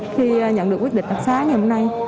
khi nhận được quyết định đặc xá ngày hôm nay